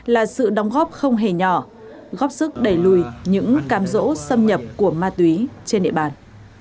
là sự đóng góp không hề nhỏ góp sức đẩy lùi những cam rỗ xâm nhập của ma túy trên địa bàn